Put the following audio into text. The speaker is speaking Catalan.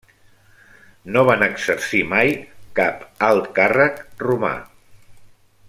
No van exercir mai cap alt càrrec romà.